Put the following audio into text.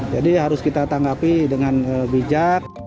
jadi harus kita tanggapi dengan bijak